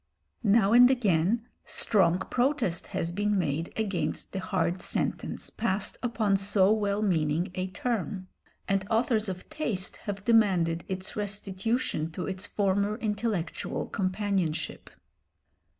Now and again strong protest has been made against the hard sentence passed upon so well meaning a term, and authors of taste have demanded its restitution to its former intellectual companionship.